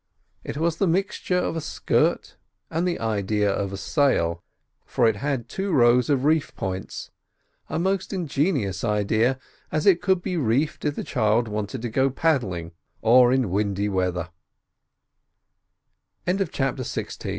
It was the mixture of a skirt and the idea of a sail, for it had two rows of reef points; a most ingenious idea, as it could be reefed if the child wanted to go paddling, or in windy weath